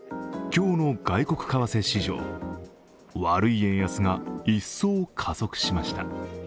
今日の外国為替市場、悪い円安が一層加速しました。